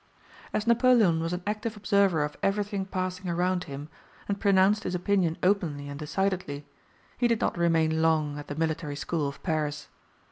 As Napoleon was an active observer of everything passing around him, and pronounced his opinion openly and decidedly, he did not remain long at the Military School of Paris.